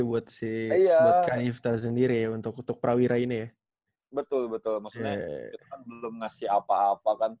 buat sih ya sendiri untuk untuk prawira ini betul betul maksudnya belum ngasih apa apa kan